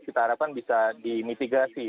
kita harapkan bisa dimitigasi